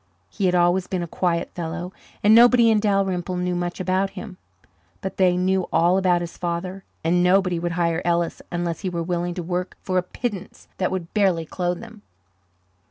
He had always been a quiet fellow, and nobody in Dalrymple knew much about him. But they knew all about his father, and nobody would hire Ellis unless he were willing to work for a pittance that would barely clothe him.